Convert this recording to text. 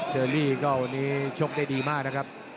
เชอรี่ก็วันนี้ชกได้ดีมากนะครับ